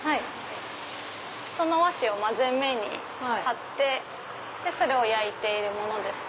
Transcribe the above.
その和紙を全面に張ってそれを焼いているものですとか。